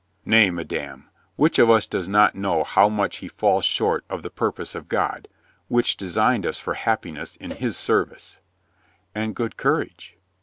"Nay, madame, which of us does not know how much he falls short of the purpose of God, which designed us for happiness in His service." "And good courage."